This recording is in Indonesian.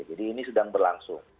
jadi ini sedang berlangsung